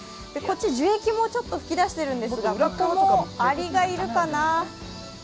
樹液もちょっと噴き出しているんですが、アリはいるかな。